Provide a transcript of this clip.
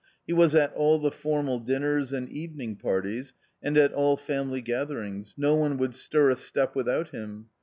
He was at all the formal dinners and evening parties and at all family gatherings ; no one would stir a step without him.